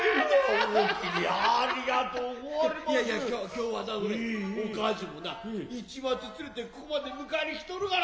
今日はなお梶もな市松連れてここまで迎えに来とるがな。